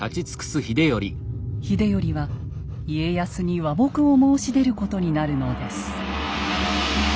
秀頼は家康に和睦を申し出ることになるのです。